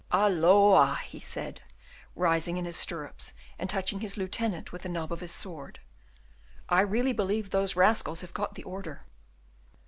"Halloa!" he said, rising in his stirrups, and touching his lieutenant with the knob of his sword; "I really believe those rascals have got the order."